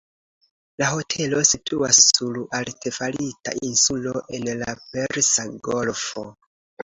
La hotelo situas sur artefarita insulo en la Persa Golfo.